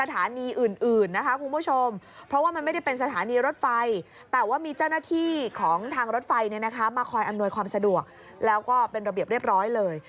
ทางรถไฟมาคอยอำนวยความสะดวกแล้วก็เป็นระเบียบเรียบร้อยเลย